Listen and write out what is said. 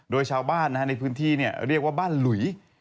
โดยชาวบ้านในพื้นที่เรียกว่าบ้านหลุย